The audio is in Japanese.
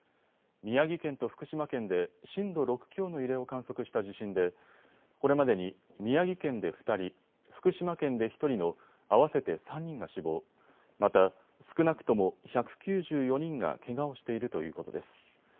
宮城県と福島県で震度６強の揺れを観測した地震でこれまでに宮城県で２人、福島県で１人の合わせて３人が死亡、また少なくとも１９４人がけがをしているということです。